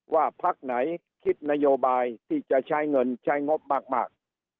พักไหนคิดนโยบายที่จะใช้เงินใช้งบมาก